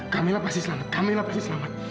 kamila pasti selamat kamila pasti selamat